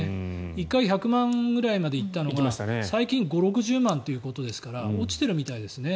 １回、１００万回くらいまで行ったのが最近、５０６０万ということですから落ちてるみたいですね。